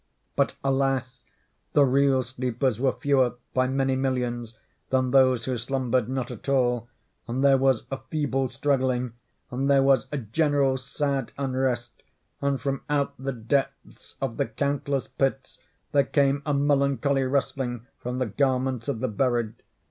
But alas! the real sleepers were fewer, by many millions, than those who slumbered not at all; and there was a feeble struggling; and there was a general sad unrest; and from out the depths of the countless pits there came a melancholy rustling from the garments of the buried.